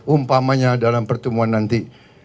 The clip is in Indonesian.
umpamanya dalam pertemuan nanti